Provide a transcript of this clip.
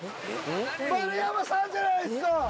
丸山さんじゃないですか。